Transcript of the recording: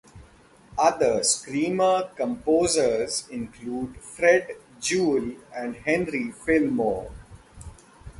Other screamer composers include Fred Jewell and Henry Fillmore.